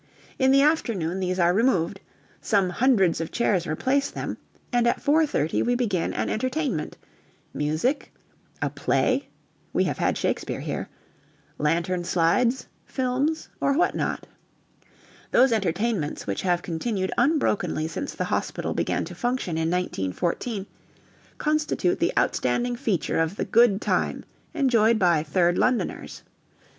In the afternoon these are removed; some hundreds of chairs replace them; and at 4.30 we begin an entertainment music, a play (we have had Shakespeare here), lantern slides, films, or what not. Those entertainments, which have continued unbrokenly since the hospital began to function in 1914, constitute the outstanding feature of the "good time" enjoyed by 3rd Londoners.